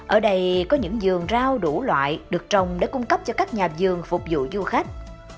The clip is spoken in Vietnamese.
ở đây có những giường rau đủ loại được trồng để cung cấp cho các nhà vườn phục vụ du khách